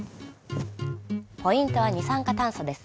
ポイントは二酸化炭素です。